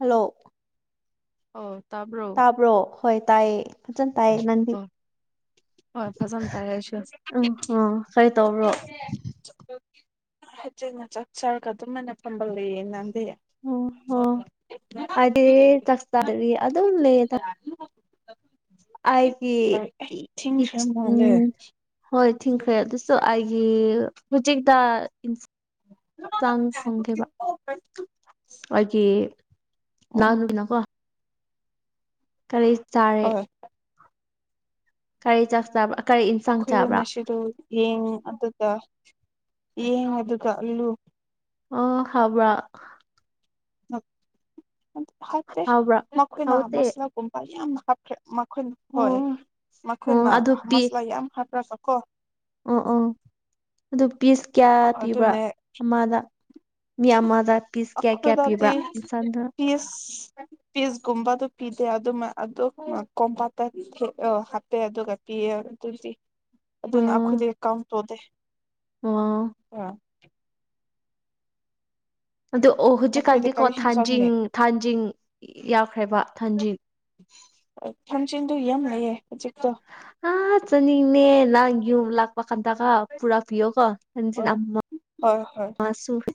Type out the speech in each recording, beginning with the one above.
Hello ꯑꯣ ꯇꯥꯕ꯭ꯔꯣ ꯇꯥꯕ꯭ꯔꯣ ꯍꯣꯏ ꯇꯥꯏꯌꯦ ꯐꯖꯅ ꯇꯥꯏꯌꯦ ꯅꯪꯗꯤ ꯑꯣ ꯍꯣꯏ ꯐꯖꯅ ꯇꯥꯏ ꯑꯩꯁꯨ ꯎꯝ ꯑꯣ ꯀꯔꯤ ꯇꯧꯕ꯭ꯔꯣ ꯍꯦꯟꯖꯟꯅ ꯆꯥꯛ ꯆꯥꯔꯒ ꯑꯗꯨꯃꯥꯏꯅ ꯐꯝꯕꯒ ꯂꯩꯌꯦ ꯅꯪꯗꯤ ꯎꯝ ꯑꯣ ꯑꯩꯗꯤ ꯌꯥꯛ ꯆꯣꯗ꯭ꯔꯤ ꯑꯗꯨ ꯂꯩꯌꯦꯗ ꯑꯩꯒꯤ ꯏ ꯏꯁ ꯎꯝ ꯍꯣꯏ ꯊꯤꯡꯈ꯭ꯔꯦ ꯑꯗꯨꯁꯨ ꯑꯩꯒꯤ ꯍꯧꯖꯤꯛꯇꯛꯇ ꯆꯥꯡ ꯊꯣꯡꯒꯦꯕ ꯑꯣ ꯑꯩꯒꯤ ꯍꯣꯏ ꯂꯥꯎꯅꯅ ꯀꯣ ꯀꯔꯤ ꯆꯥꯔꯦ ꯀꯩ ꯆꯥꯛ ꯆꯥꯕ ꯑꯩꯈꯣꯏꯗꯣ ꯉꯁꯤꯗꯣ ꯌꯦꯡ ꯑꯗꯨꯒ ꯌꯦꯡ ꯑꯗꯨꯒ ꯑꯂꯨ꯫ ꯑꯣ ꯈꯕ꯭ꯔꯥ ꯐ ꯍꯥꯎꯕ꯭ꯔꯥ ꯅꯈꯣꯏꯅ ꯍꯥꯎꯇꯦ ꯃꯁꯂ ꯄꯨꯝꯄꯥ ꯌꯥꯝ ꯍꯥꯞꯈ꯭ꯔꯦ ꯃꯈꯣꯏꯅ ꯑꯣ ꯍꯣꯏ ꯑꯣ ꯃꯈꯣꯏꯅ ꯑꯗꯨ ꯄꯤ ꯃꯁꯂꯥ ꯌꯥꯝ ꯍꯥꯞꯄ꯭ꯔꯒ ꯀꯣ ꯑꯣ ꯑꯣ ꯑꯗꯨ ꯄꯤꯁ ꯀꯌꯥ ꯄꯤꯕ꯭ꯔꯥ ꯑꯗꯨꯅꯦ ꯑꯃꯗ ꯃꯤ ꯑꯃꯗ ꯄꯤꯁ ꯀꯌꯥ ꯀꯌꯥ ꯄꯤꯕ꯭ꯔꯥ ꯑꯩꯈꯣꯏꯗꯗꯤ ꯏꯟꯁꯥꯟꯗ꯫ ꯄꯤꯁꯀꯨꯝꯕꯗꯨ ꯄꯤꯗꯦ ꯑꯗꯨ ꯑꯗꯨ ꯀꯣꯝꯄꯥꯇ ꯍꯥꯞꯄꯦ ꯑꯗꯨꯒ ꯄꯤꯌꯦ ꯑꯗꯨꯗꯤ ꯑꯗꯨꯅ ꯑꯥ ꯑꯩꯈꯣꯏꯗꯤ ꯀꯥꯎꯟ ꯇꯧꯗꯦ꯫ ꯑꯣ ꯑ ꯑꯗ ꯑꯣ ꯅꯈꯣꯏꯗ ꯍꯧꯖꯤꯛꯀꯥꯟꯗꯤꯀꯣ ꯀꯔꯤ ꯍꯦꯟꯖꯥꯡꯅꯦ ꯊꯥꯟꯖꯤꯡ ꯊꯥꯟꯖꯤꯡ ꯌꯥꯎꯈ꯭ꯔꯦꯕ ꯊꯥꯟꯖꯤꯡ ꯊꯥꯡꯖꯤꯡꯗꯣ ꯌꯥꯝ ꯂꯩꯌꯦ ꯍꯧꯖꯤꯛ꯫ ꯍꯥꯥ ꯆꯥꯅꯤꯡꯅꯦ ꯅꯪ ꯌꯨꯝ ꯂꯥꯛꯄ ꯀꯥꯟꯗꯒ ꯄꯨꯔꯥ ꯍꯣꯏ ꯄꯤꯌꯣꯀꯣꯟꯁꯤꯅ ꯍꯣꯏ ꯍꯣꯏ ꯃꯥꯁꯨꯐ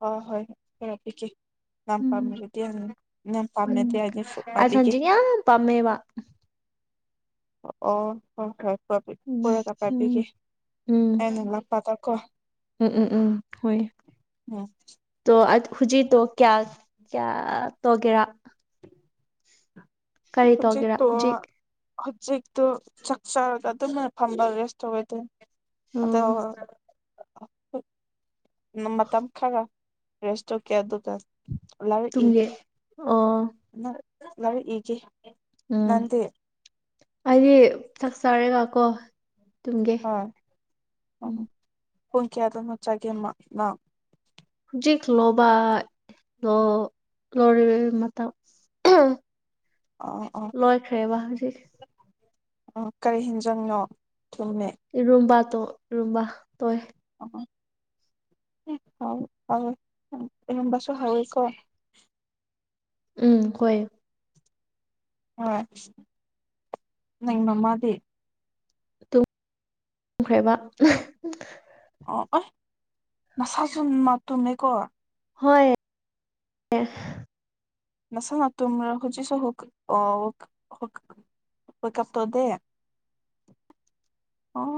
ꯍ ꯍꯣꯏ ꯈꯔ ꯄꯤꯒꯦ꯫ ꯌꯥꯝ ꯎꯝ ꯄꯥꯝꯅꯗꯤ ꯌꯥꯝ ꯄꯥꯝꯅꯗꯤ ꯑꯩꯗꯤꯁꯨ ꯄꯥꯏꯕꯤꯒꯦ꯫ ꯄꯝꯃꯦꯕ ꯑꯣ ꯍꯣꯏ ꯍꯣꯏ ꯎꯝ ꯐꯨꯜꯗ ꯄꯥꯏꯕꯤꯒꯦ꯫ ꯎꯝ ꯎꯝ ꯑꯦꯅꯂ ꯄꯥꯇꯀꯣ ꯎꯝ ꯎꯝ ꯎꯝ ꯣ ꯍꯧꯖꯤꯣ ꯀꯌꯥ ꯀꯌꯥ ꯇꯒꯦꯔꯥ ꯆ ꯇꯧꯒꯦꯔꯥ ꯇꯣ ꯍꯧꯖꯤꯛ ꯍꯧꯖꯤꯛꯇꯣ ꯆꯥꯛ ꯆꯥꯔꯒ ꯑꯗꯨꯅ ꯐꯝꯕ ꯔꯦꯁ ꯇꯧꯔꯤꯗ ꯑꯗꯣ꯫ ꯎꯝ ꯃꯇꯝ ꯈꯔ ꯔꯦꯁ ꯇꯧꯀꯦ ꯑꯗꯨꯒ ꯇꯨꯡꯒꯤ ꯂꯧꯔꯛꯏꯒꯦ ꯑꯣ ꯅꯠ ꯂꯥꯏꯔꯤꯛ ꯏꯒꯦ ꯎꯝ ꯅꯪꯗꯤ ꯑꯩꯗꯤ ꯆꯥꯛ ꯆꯔꯦꯒ ꯀꯣ꯫ ꯇꯨꯝꯒꯦ ꯍ ꯑ ꯎꯝ ꯍꯨ ꯀꯌꯥ ꯑꯗ ꯃꯆꯥꯒꯦ ꯃꯥ ꯃꯥ꯫ ꯍꯧꯖꯤꯛ ꯂꯣꯕꯥ ꯂꯣ ꯂꯣꯔꯤ ꯃꯇꯝ ꯑꯥ ꯑꯥ ꯂꯣꯏꯈ꯭ꯔꯦꯕ ꯍꯧꯖꯤꯛ ꯑ ꯀꯔꯤ ꯍꯦꯟꯖꯪꯅꯣ ꯊꯨꯝꯃꯦ ꯏꯔꯨꯝꯕꯥꯗꯣ ꯏꯔꯨꯝꯕꯥ ꯇꯣꯛꯑꯦ꯫ ꯑ ꯍꯥꯎ ꯍ ꯏꯔꯝꯕꯥꯁꯨ ꯍꯥꯎꯋꯀꯣ ꯎꯝ ꯍꯣꯏ ꯍ ꯅꯪ ꯃꯃꯥꯗꯤ ꯇꯨꯝ ꯈ꯭ꯔꯦꯕ ꯑ ꯑꯣ ꯅꯁꯥꯁꯨ ꯃꯥ ꯇꯨꯝꯃꯦꯀꯣ ꯍꯣꯏ꯫ ꯅꯁ ꯅ ꯇ ꯍꯖꯤꯁꯨ ꯍ ꯍ ꯍ ꯎꯄ ꯀꯞꯇꯗꯦ ꯑꯣ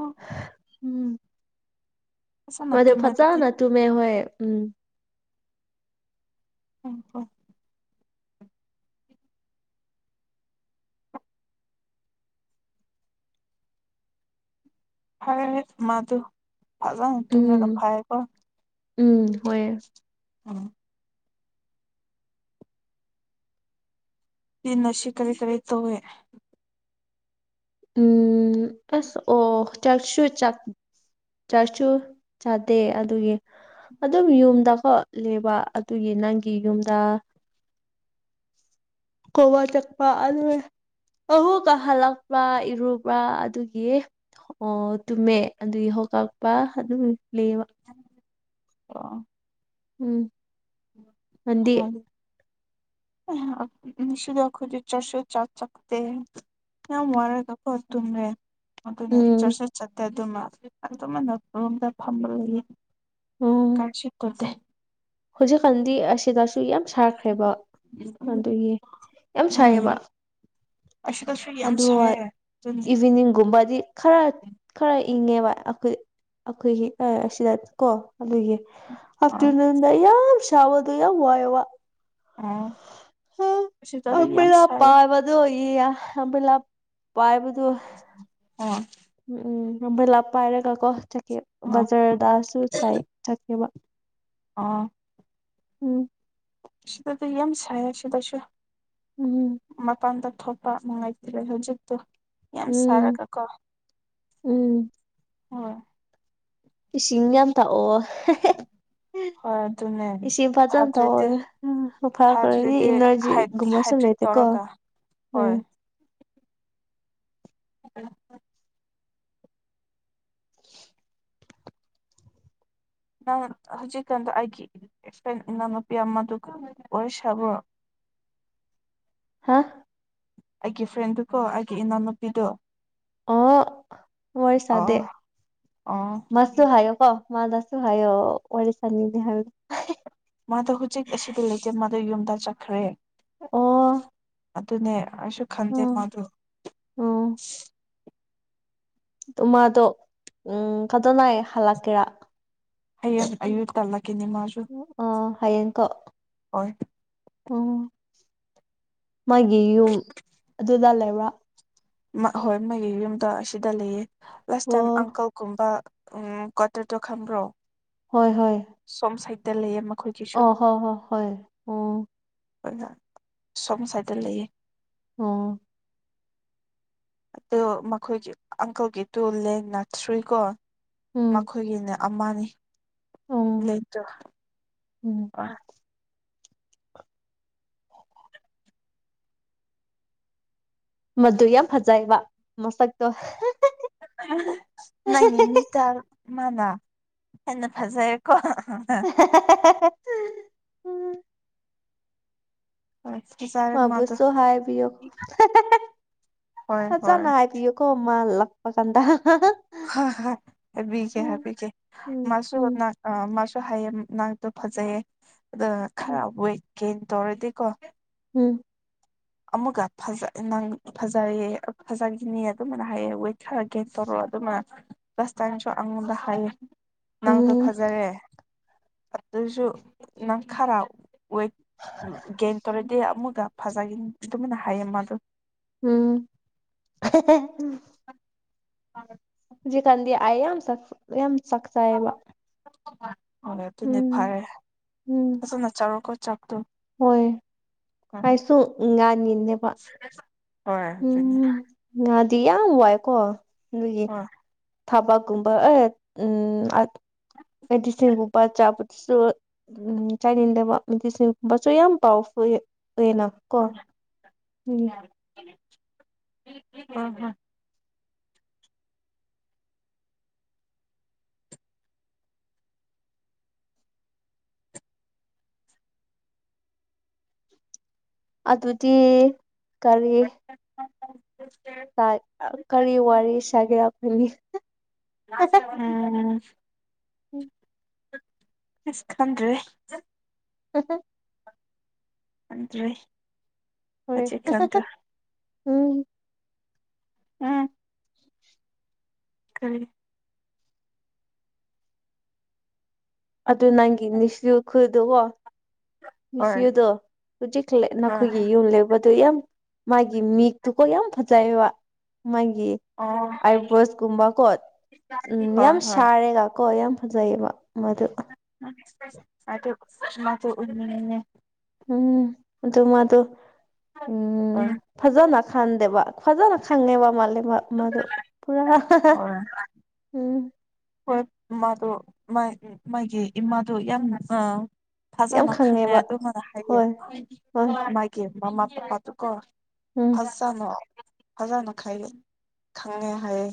ꯎꯝ ꯐꯖꯅ ꯃꯗꯨ ꯇꯨꯝꯃꯦ ꯑꯗꯨꯗꯤ ꯐꯖꯥꯅ ꯇꯨꯃꯦ ꯍꯣꯏ ꯎꯝ ꯎꯝ ꯍꯣ ꯍꯥꯏ ꯃꯥꯗꯨ ꯐꯖ ꯇꯃꯤꯒ ꯎꯝ ꯐꯥꯏꯀꯣ ꯎꯝ ꯍꯣꯏ ꯎꯝ ꯅꯪꯗꯤ ꯅꯁꯤ ꯀꯔꯤ ꯀꯔꯤ ꯇꯧꯋꯦ꯫ ꯎꯝ ꯑꯁ ꯑꯣ ꯆꯥꯛꯁꯨ ꯆꯥꯛ ꯆꯥꯛꯁꯨ ꯆꯥꯗꯦ ꯑꯗꯨꯒꯤ ꯑꯗꯨꯝ ꯌꯨꯝꯗꯀꯣ ꯂꯩꯕ ꯑꯗꯨꯒꯤ ꯅꯪꯒꯤ ꯌꯨꯝꯗ꯫ ꯀꯧꯕ ꯆꯛꯄ ꯑꯗꯨ ꯑꯍꯨꯀ ꯍꯜꯂꯛꯄ ꯏꯔꯨꯕ ꯑꯗꯨꯒꯤ ꯑꯣ ꯇꯨꯝꯃꯦ ꯑꯗꯨꯒꯤ ꯍꯣ ꯀꯛꯄ ꯑꯗꯨꯝ ꯂꯩꯕ ꯑꯣ ꯎꯝ ꯅꯪꯗꯤ꯫ ꯃꯤꯁꯗꯈꯣꯖ ꯆꯔꯁ ꯆꯥꯛ ꯆꯥꯛꯇ ꯃꯔꯦ ꯇꯈ ꯇꯨꯝꯃꯦ ꯑꯗꯨꯅꯦ ꯎꯝ ꯆꯁꯨ ꯆꯠꯇꯗꯨꯃ ꯑꯗꯨꯃꯅ ꯔꯣꯝꯗ ꯐꯝꯕ ꯀꯁꯤꯠꯇꯨꯗꯦ ꯍꯧꯖꯤꯛ ꯀꯟꯗꯤ ꯑꯁꯤ ꯁꯨ ꯌꯥꯝ ꯁꯥꯈ꯭ꯔꯦꯕ ꯑꯗꯨꯒꯤ ꯌꯥꯝ ꯁꯥꯏꯌꯦꯕ ꯎꯝ ꯑꯁꯤꯗꯁꯨ ꯌꯥꯝ ꯑꯗꯨ ꯁꯥꯏꯌꯦ ꯑꯗꯨꯅꯤ ꯏꯚꯤꯅꯤꯡꯒꯨꯝꯕꯗꯤ ꯈꯔ ꯈꯔ ꯏꯪꯉꯦꯕ ꯑꯩꯈꯣꯏ ꯑꯩꯈꯣꯏꯒꯤ ꯑꯁꯤꯗ ꯀꯣ ꯑꯒ ꯑ ꯍꯥꯐꯇ ꯌꯥꯎ ꯁꯕꯗꯨ ꯌꯥ ꯋꯥꯏꯋꯥ ꯑꯥ ꯍ ꯑꯝꯕꯗ ꯄꯥꯕ ꯑꯗꯨꯣꯂꯥꯞ ꯄ ꯍꯥꯏꯕꯗꯨ ꯑꯣ ꯎꯝ ꯎꯝ ꯅꯝꯕꯣꯏꯂꯥꯞ ꯄꯥꯏꯔꯒ ꯀꯣ ꯆꯠꯀꯦ ꯑ ꯕꯖꯥꯔꯗꯁꯨ ꯆꯥꯏ ꯆꯠꯀꯦꯕ ꯑꯥ ꯎꯝ ꯗ ꯌꯥꯝ ꯁꯥ ꯁꯤ ꯇꯁꯨ ꯎꯝꯝ ꯃꯄꯥꯟꯗ ꯊꯣꯄ ꯃꯉꯥꯏꯇꯔꯦ ꯍꯧꯖꯤꯛꯇ ꯌꯥꯝ ꯎꯝ ꯁꯥꯔꯒ ꯀꯣ ꯎꯝ ꯎ ꯏꯁꯤꯡ ꯌꯥꯝ ꯊꯥꯛꯑꯣ ꯍꯣꯏ ꯑꯗꯨꯅꯦ ꯊꯥꯗ꯭ꯔꯗꯤ ꯊꯛꯑꯣ ꯎꯝ ꯐꯔꯛꯀꯔꯗꯤ ꯊꯥꯗ꯭ꯔꯗꯤꯗꯤꯗ꯭ꯔ ꯇꯔꯀ ꯍꯣꯏ ꯎꯝ ꯅꯪ ꯍꯧꯖꯤꯛꯀꯥꯟꯗ ꯑꯩꯒꯤ ꯐꯦꯟ ꯏꯅꯥꯎꯅꯨꯄꯤ ꯑꯃꯗꯨ ꯑꯣꯏ ꯁꯥꯕ꯭ꯔꯣ ꯍꯥ ꯑꯩꯒꯤ ꯐ꯭ꯔꯦꯟꯗꯨꯀꯣ ꯑꯩꯒꯤ ꯏꯅꯥꯎꯅꯨꯄꯤꯗꯣ ꯑꯣ ꯍꯣꯏ ꯆꯗꯦ ꯑꯣ ꯑꯣ ꯃꯁꯁꯨ ꯍꯥꯏ ꯑꯀꯣ ꯃꯥꯗꯁꯨ ꯍꯥꯏꯌꯣ ꯋꯥꯔꯤꯔ ꯁꯅꯤꯅꯦ ꯍꯥꯏ ꯃꯥꯗꯣ ꯍꯧꯖꯤꯛ ꯑꯁꯤꯗ ꯂꯩꯖꯦ ꯃꯥꯗꯣ ꯌꯨꯝꯗ ꯆꯠꯈ꯭ꯔꯦ ꯑꯣ ꯑꯗꯨꯅꯦ ꯑꯩꯁꯨ ꯈꯟꯖꯦ ꯎꯝ ꯃꯥꯗꯨ ꯎꯝ ꯑꯗꯨꯃꯗꯣ ꯎꯝ ꯀꯗꯣꯅꯥꯏ ꯍꯜꯂꯛꯀꯦꯔꯥ ꯑ ꯑꯌꯔ ꯇꯂ ꯀꯅꯤ ꯃꯥ ꯑ ꯍꯌꯦꯡꯀꯣ ꯍ ꯑꯣ ꯃꯥꯒꯤ ꯌꯨꯝ ꯑꯗꯨꯗ ꯂꯩꯕ꯭ꯔꯥ ꯍꯣꯏ ꯃꯒꯤ ꯌꯨꯝꯗ ꯑꯁꯤꯗ ꯂꯩꯌꯦ ꯂꯥꯁ ꯇꯥꯏꯝ ꯋꯥ ꯑꯪꯀꯜꯒꯨꯝꯕ ꯎꯝ ꯀꯠꯇ ꯇꯣ ꯈꯝꯕ꯭ꯔꯣ ꯍꯣꯏ ꯍꯣꯏ ꯁꯣꯝ ꯁꯥꯏꯠꯇ ꯂꯩꯌꯦ ꯃꯈꯣꯏꯒꯤꯁꯨ ꯑꯣ ꯍꯣꯏ ꯍꯣꯏ ꯍꯣꯏ ꯑꯣ ꯁꯣꯝ ꯁ꯭ꯥꯏꯗ ꯂꯩꯌꯦ ꯑꯣ ꯑꯗꯨ ꯃꯈꯣꯏꯒꯤ ꯑꯪꯀꯜꯒꯤ ꯇꯨ ꯂꯦꯟꯅ ꯊ꯭ꯔꯤꯀꯣ ꯎꯝ ꯃꯈꯣꯏꯒꯤꯅ ꯑꯃꯅꯤ ꯎꯝ ꯂꯩꯇ꯭ꯔꯣ ꯎꯝ ꯑ ꯃꯗꯨ ꯌꯥꯝ ꯐꯖꯩꯕ ꯃꯣꯁꯛꯇꯣ ꯅꯪ ꯏꯃꯤꯠꯇ ꯃꯥꯅ ꯍꯦꯟꯅ ꯐꯖꯩꯔꯦꯀꯣ ꯎꯝ ꯍꯣꯏ ꯐꯖꯔꯦ ꯃꯥꯗꯣ ꯃꯕꯨꯁꯨꯣ ꯍꯥꯏꯥꯏ ꯄꯌ ꯍꯣꯏ ꯍ ꯍꯣꯏ ꯆꯅ ꯍꯥꯏ ꯄꯌ ꯀꯣ ꯃꯥ ꯂꯛꯄ ꯀꯥꯟꯗ ꯍ ꯍ ꯍꯥꯏꯕꯤꯒꯦ ꯎꯝ ꯍꯥꯏꯕꯤꯒꯦ ꯎꯝ ꯃꯥꯁꯨ ꯎꯝ ꯑ ꯃꯥꯁꯨ ꯍꯥꯏꯌꯦ ꯅꯪꯗꯣ ꯐꯖꯩꯌꯦ ꯑꯗ ꯈꯔ ꯋꯦꯠ ꯦꯟ ꯇꯧꯔꯗꯤꯀꯣ ꯎꯝ ꯑꯃꯨꯛꯒ ꯐꯖꯩꯌꯦ ꯐꯖꯈꯤꯅꯤ ꯑꯗꯨꯃꯅ ꯍꯥꯏꯌꯦ ꯋꯦꯠ ꯈꯔ ꯒꯦꯟ ꯇꯧꯔꯣ ꯑꯗꯨꯃꯅ ꯔꯁꯇꯥꯏꯁꯨ ꯑꯉꯗ ꯍꯥꯏ ꯅꯪꯗꯣ ꯎꯝ ꯐꯖꯔꯦ ꯑꯗꯨꯁꯨ ꯅꯪ ꯈꯔꯥꯎ ꯋꯦꯠ ꯒꯦꯟ ꯇꯧꯔꯗꯤ ꯑꯃꯨꯒ ꯐꯖꯒꯦ ꯑꯗꯨꯃꯥꯏꯅ ꯍꯥꯏꯌꯦ ꯃꯥꯗꯣ ꯎꯝ [unintelligible] ꯍꯧꯖꯤꯛꯀꯥꯟꯗꯤ ꯑꯩ ꯌꯥꯝ ꯌꯥꯝ ꯆꯥꯛꯆꯥꯏꯕ ꯍꯣꯏ ꯑꯗꯨꯗꯤ ꯐꯔꯦ ꯎꯝ ꯐꯖꯅ ꯆꯥꯛꯔꯣꯀꯣ ꯆꯥꯛꯇꯣ ꯍꯣꯏ ꯎꯝ ꯀꯥꯏꯁꯨ ꯉꯅꯤꯅꯦꯕ ꯍꯣꯏ ꯑꯗꯨꯅꯤ ꯉꯥꯗꯤ ꯌꯥꯝ ꯋꯥꯏꯀꯣ ꯑꯗꯨꯒꯤ ꯍꯣꯏ ꯊꯕꯛꯀꯨꯝꯕ ꯎꯝ ꯍꯥꯏ ꯂꯤꯁꯤꯡꯒꯨꯝꯄꯥ ꯆꯥꯕꯗꯨꯁꯨ ꯎꯝ ꯆꯥꯅꯤꯡꯗꯕ ꯃꯤꯇꯁꯤꯡꯒꯨꯝꯕꯁꯨ ꯌꯥꯝ ꯄꯥꯎ ꯐ ꯑꯣꯏꯅ ꯀꯣ ꯎꯝ ꯎꯝ ꯎꯝ ꯎꯝ ꯑꯗꯨꯗꯤ ꯀꯔꯤ ꯀꯔꯤ ꯋꯥꯔꯤ ꯁꯥꯒꯦꯅꯤ ꯎꯝ ꯏꯁ ꯈꯟꯔꯤ ꯍꯍ ꯑꯗꯔꯤ ꯍꯣꯏ ꯆꯤ ꯀꯗ ꯎꯝ ꯎꯝ ꯀꯔꯤ ꯑꯗꯨ ꯅꯪꯒꯤ ꯅꯤꯁ ꯈꯨꯜꯗꯨꯀꯣ ꯍꯣꯏ ꯍꯣꯏ ꯐꯌꯨꯗꯣ ꯍꯧꯖꯤꯛ ꯑꯣ ꯅꯈꯣꯏꯒꯤ ꯌꯨꯝ ꯂꯦꯛꯕꯗꯨ ꯌꯥꯝ ꯃꯥꯒꯤ ꯃꯤꯛꯇꯨꯀꯣ ꯌꯥꯝ ꯐꯖꯩꯑꯕ ꯃꯥꯒꯤ ꯑꯥꯏꯕ꯭ꯔꯣꯁꯀꯨꯝꯕꯀꯣ ꯎ ꯍꯣꯏ ꯌꯥꯝ ꯍꯣꯏ ꯁꯥꯔꯦꯒ ꯀꯣ ꯌꯥꯝ ꯐꯖꯩꯑꯕ ꯃꯗꯨ ꯎ ꯃ ꯃꯥ ꯎ ꯎꯝ ꯑꯗꯨꯃ ꯑꯗꯨ ꯎꯝ ꯍꯣꯏ ꯐꯖꯅ ꯈꯪꯗꯦꯕ ꯐꯖꯅ ꯈꯪꯉꯦꯕ ꯃꯥꯜ ꯃꯗꯨ ꯄꯨꯔꯥ ꯍꯣꯏ ꯎꯝ ꯍꯣꯏ ꯃꯥꯗꯣ ꯃꯥꯒꯤ ꯏꯃꯥꯗꯣ ꯌꯥꯝꯅ ꯑ ꯌꯥꯝ ꯐꯖꯅ ꯈꯪꯉꯦ ꯈꯪꯉꯦꯕ ꯑꯗꯨꯃꯅ ꯍꯥꯏꯌꯦꯦ ꯍꯣꯏ ꯍꯣꯏ ꯃꯥꯒꯤ ꯃꯃꯥ ꯄꯄꯥꯗꯨꯀꯣ ꯎꯝ ꯐꯖꯅ ꯐꯖꯅ ꯈ ꯈꯪꯉꯦ ꯍꯥꯏꯌꯦꯦ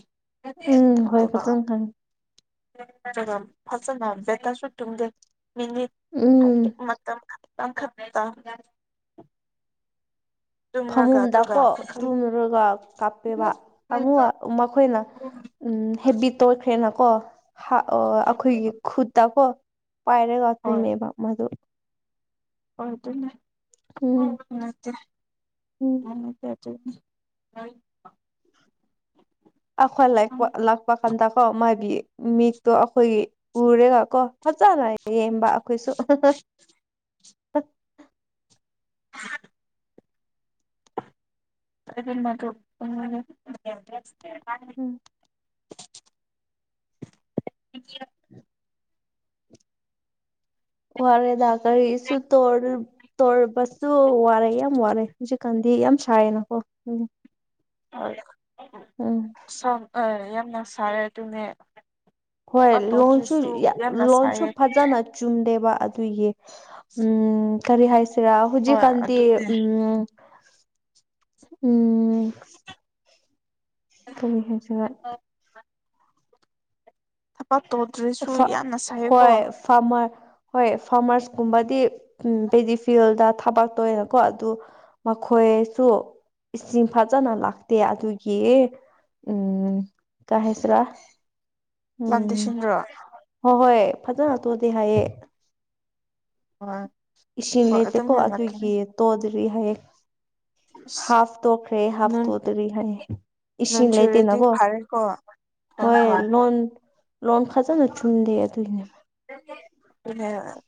ꯎꯝ ꯍꯣꯏ ꯄꯆꯅ ꯍꯥꯏ ꯐꯖꯅ ꯕꯦꯇꯔꯁꯨ ꯇꯨꯝꯗꯦ ꯃꯤꯅꯤꯠ ꯍꯥꯏ ꯎꯝ ꯃꯇꯝ ꯑ ꯈꯦ ꯇꯨꯝꯔꯒ ꯑꯗꯨꯒ ꯐꯃꯨꯝꯗꯀꯣ ꯄꯨꯈꯝ ꯇꯨꯝꯨꯔꯒ ꯀꯥꯞꯄꯦꯕ ꯑꯃ ꯃꯈꯣꯏꯅ ꯎꯝ ꯍꯦꯕꯤꯠꯇ ꯑꯣꯏꯈ꯭ꯔꯦꯅꯀꯣ ꯑꯩꯈꯣꯏꯒꯤ ꯈꯨꯠꯇꯀꯣ ꯄꯥꯏꯔꯒ ꯍꯣꯏ ꯇꯨꯝꯃꯦꯕ ꯃꯗꯨ ꯎꯝ [unintelligible] ꯎꯝ [inaudible] [inaudible] ꯑꯩꯈꯣꯏ ꯂꯄ ꯂꯥꯛꯄ ꯀꯥꯟꯗ ꯀꯣ ꯃꯥꯏꯕꯤ ꯃꯤꯠꯇꯣ ꯑꯩꯈꯣꯏꯒꯤ ꯎꯔꯦꯒ ꯀꯣ ꯐꯖꯅ ꯌꯦꯡꯕ ꯑꯩꯈꯣꯏꯁꯨ [unintelligible] [unintelligible] ꯎꯝ [inaudible] [unintelligible] ꯋꯥꯔꯦꯗ ꯀꯔꯤꯁꯨ [unintelligible] ꯇꯧꯔꯕꯁꯨ ꯋꯥꯔꯦ ꯌꯥꯝ ꯋꯥꯔꯦ ꯍꯧꯖꯤꯛꯀꯥꯟꯗꯤ ꯌꯥꯝ ꯁꯥꯏꯌꯦꯅꯀꯣ ꯎꯝ ꯌꯥꯝꯅ ꯁꯥꯔꯦ ꯑꯗꯨꯅꯦ ꯍꯣꯏ ꯊꯕꯛ ꯂꯣꯟꯁꯨ ꯇꯧꯗ꯭ꯔꯁꯨ ꯌꯥꯝꯅ ꯂꯣꯟꯁꯨ ꯁꯥꯏꯌꯦ ꯐꯖꯅ ꯆꯨꯝꯗꯦꯕ ꯑꯗꯨꯒꯤ ꯎꯝ ꯀꯔꯤ ꯍꯥꯏꯁꯤꯔꯥ ꯍꯣꯏ ꯍꯧꯖꯤꯛꯀꯥꯟꯗꯤ ꯑꯗꯨꯅꯦ ꯎꯝ ꯎꯝ ꯀꯔꯤ ꯍꯥꯏꯖꯤꯔ ꯊꯕꯛ ꯇꯧꯗ꯭ꯔꯁꯨ ꯌꯥꯝꯅ ꯁꯥꯏꯌꯦꯀꯣ ꯐꯝꯔ ꯍꯣꯏ ꯐꯥꯔꯃꯔꯁ ꯀꯨꯝꯕꯗꯤ ꯎꯝ ꯄꯦꯗꯤ ꯐꯤꯜꯗ ꯊꯥꯕꯛ ꯇꯧꯑꯦꯀꯣ ꯑꯗꯨ ꯃꯈꯣꯏꯁꯨ ꯏꯁꯤꯡ ꯐꯖꯅ ꯂꯥꯛꯇꯦ ꯑꯗꯨꯒꯤ ꯎꯝ ꯀ ꯍꯦꯁ꯭ꯔꯥ ꯎꯝ ꯨ ꯇ꯭ꯔ ꯍꯣꯏ ꯍꯣꯏ ꯐꯖꯅ ꯇꯣꯑꯗꯤ ꯍꯥꯏꯌꯦ ꯍꯣꯏ ꯏꯁꯤꯡ ꯍꯣꯏ ꯑꯗꯨꯝ ꯂꯩꯇꯦꯀꯣ ꯍꯜꯂꯛꯀꯅꯤ ꯑꯗꯨꯒꯤ ꯇꯣꯗ꯭ꯔꯤ ꯍꯥꯏꯌꯦ ꯑꯁ ꯍꯥꯐ ꯇꯣꯛꯈ꯭ꯔꯦ ꯍꯥꯐ ꯇꯣꯇꯔꯤ ꯍꯥꯏꯌꯦ ꯅꯣꯟ ꯏꯁꯤꯡ ꯆꯨꯔꯦꯗꯤ ꯂꯩꯇꯦꯅꯀꯣ ꯐꯔꯦꯀꯣ ꯍꯣꯏ ꯂꯣꯟ ꯂꯣꯟ ꯐꯖꯟꯅ ꯆꯨꯝꯗꯦ ꯑꯗꯨꯏꯅꯦꯕ ꯎ [unintelligible]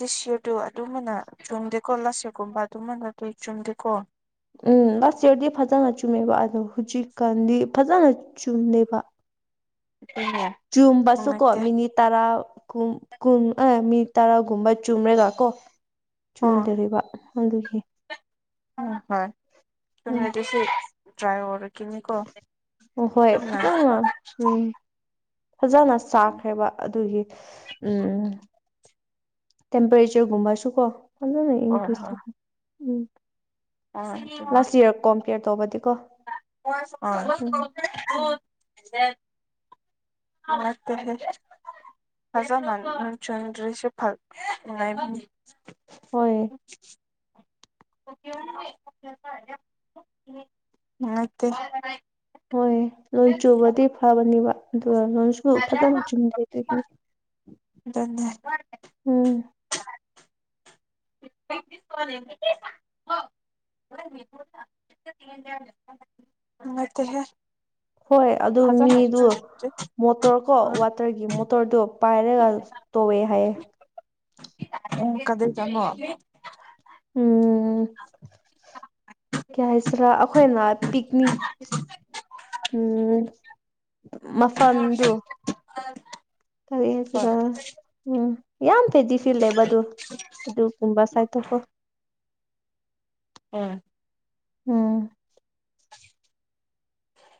ꯗꯤꯁꯌꯔꯗꯣ ꯑꯗꯨꯝꯕꯅ ꯆꯨꯝꯗꯦꯀꯣ ꯂꯁꯔꯒꯨꯝꯕ ꯑꯗꯨꯝꯕꯅꯗꯤ ꯆꯨꯝꯗꯦꯀꯣ ꯎꯝ ꯂꯥꯁ ꯑꯦꯌꯔꯗꯤ ꯐꯖꯅ ꯆꯨꯝꯃꯦꯕ ꯑꯗꯣ ꯍꯧꯖꯤꯛꯀꯥꯟꯗꯤ ꯐꯖꯅ ꯆꯨꯝꯗꯦꯕ [unintelligible] ꯆꯨꯝꯕꯥꯁꯨꯀꯣ ꯅꯨꯡꯉꯥꯏꯇꯦ ꯃꯤꯅꯤꯠ ꯇꯔꯥ ꯀꯨꯝ ꯀꯨꯝ ꯑ ꯃꯤ ꯇꯔꯥ ꯀꯨꯝꯕꯥ ꯆꯨꯝꯃꯔꯦ ꯇꯥꯀꯣ ꯑꯣ ꯆꯨꯗꯔꯤꯕ ꯑꯗꯨꯒꯤ ꯎꯝ ꯍꯣꯏ ꯎꯝ [unintelligible] ꯗ꯭ꯔꯥꯏꯑꯣꯔꯤ ꯀꯤꯅꯤꯀꯣ ꯍꯣꯏ ꯑꯗꯨꯝꯅ ꯐꯖꯅ ꯎꯝ ꯐꯖꯅ ꯆꯥꯛꯈ꯭ꯔꯦꯕ ꯑꯗꯨꯒꯤ ꯎꯝ ꯇꯦꯝꯄꯔꯦꯆ ꯒꯨꯝꯕꯁꯨ ꯀꯣ ꯐꯖ ꯅ ꯏꯟꯀ꯭ꯔꯤ ꯍꯣꯏ ꯊꯣꯛ ꯎꯝ ꯑꯣꯏ [unintelligible] ꯂꯥꯁ ꯌꯔ ꯀꯣꯝꯄꯤꯦꯌꯔ ꯇꯧꯕꯗꯤ ꯀꯣ [unintelligible] [inaudible] ꯃꯠꯇꯦꯍꯦ ꯐꯖꯥ ꯆꯟꯗ꯭ꯔꯔꯤꯁ ꯐꯜ ꯍꯣꯏ [unintelligible] [unintelligible] ꯅꯠꯇꯦ ꯍꯣꯏ ꯂꯣꯟ ꯆꯨꯕꯗꯤ ꯐꯕꯅꯦꯕ ꯑꯗꯨꯒ ꯂꯣꯟꯁꯨ ꯐꯖꯅ ꯆꯨꯝꯗꯦ ꯑꯗ [unintelligible] ꯎꯝ [unintelligible] [unintelligible] ꯅꯨꯉꯥꯏꯇꯦꯍꯦ ꯍꯣꯏ ꯑꯗꯨ ꯃꯤꯗꯨ ꯃꯣꯇꯣꯔ ꯀꯣ ꯋꯥꯠ ꯃꯇꯔꯒꯤ ꯃꯣꯇꯣꯔꯗꯣ ꯄꯥꯏꯔꯒ ꯇꯧꯑꯦ ꯍꯥꯏꯌꯦ [unintelligible] ꯎꯝ ꯀꯩ ꯍꯥꯏꯁꯤꯔꯥ ꯑꯩꯈꯣꯏꯅ ꯄꯤꯛꯅꯤꯛ ꯎꯝ [unintelligible] ꯀꯔꯦ ꯑꯗꯨꯔꯥ ꯎꯝ ꯌꯥꯝ ꯐꯦꯗꯤ ꯐꯤꯜꯂꯦꯕ ꯑꯗꯨ ꯑꯗꯨꯒꯨꯝꯕ ꯁꯥꯏꯠꯇꯕꯨꯣ ꯑꯣꯏ ꯎꯝ ꯍ